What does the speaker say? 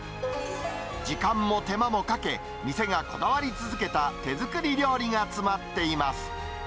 時間も手間もかけ、店がこだわり続けた手作り料理が詰まっています。